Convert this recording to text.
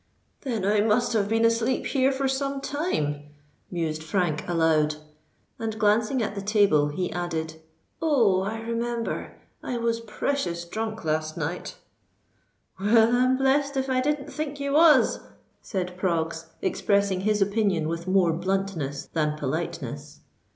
"Then I must have been asleep here for some time," mused Frank aloud; and, glancing at the table, he added, "Oh! I remember—I was precious drunk last night——" "Well, I'm blest if I didn't think you was," said Proggs, expressing his opinion with more bluntness than politeness.